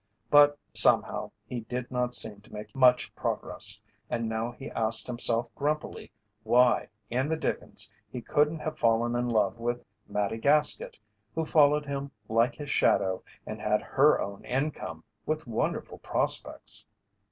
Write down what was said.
But somehow he did not seem to make much progress, and now he asked himself grumpily why in the dickens he couldn't have fallen in love with Mattie Gaskett, who followed him like his shadow and had her own income, with wonderful prospects.